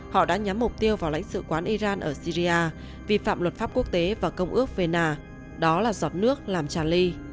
họ đã nhắm mục tiêu vào lãnh sự quán iran ở syria vi phạm luật pháp quốc tế và công ước phêna đó là giọt nước làm trà ly